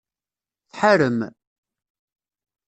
Tḥarem?